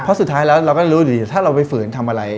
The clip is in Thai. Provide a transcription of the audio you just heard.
เพราะสุดท้ายแล้วเราก็รู้ดีถ้าเราไปฝืนทำอะไร